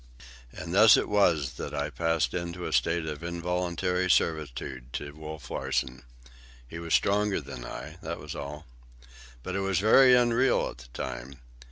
And thus it was that I passed into a state of involuntary servitude to Wolf Larsen. He was stronger than I, that was all. But it was very unreal at the time.